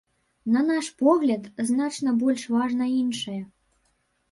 На наш погляд, значна больш важна іншае.